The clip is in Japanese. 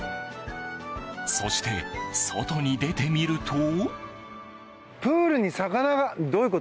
そして、外に出てみると。